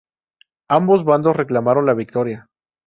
Ambos bandos reclamaron la victoria.